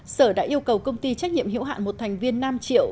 sở đã yêu cầu công ty trách nhiệm hiểu hạn một thành viên nam triệu